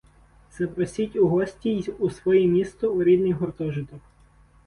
Запросіть у гості й у своє місто, у рідний гуртожиток